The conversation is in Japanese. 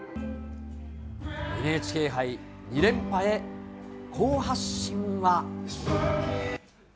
ＮＨＫ杯２連覇へ好発進は。